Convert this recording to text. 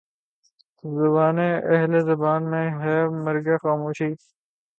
زبانِ اہلِ زباں میں ہے مرگِ خاموشی